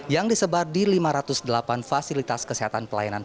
yang disebar di lima ratus delapan fasilitas kesehatan pelayanan